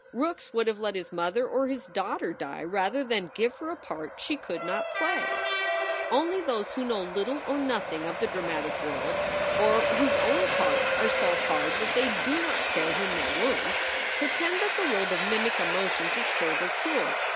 Rookes would have let his mother or his daughter die rather than give her a part she could not play. Only those who know little or nothing of the dramatic world, or whose own hearts are so hard that they do not care whom they wound, pretend that the world of mimic emotions is cold or cruel.